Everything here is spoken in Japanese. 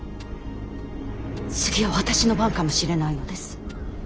次は私の番かもしれないのです。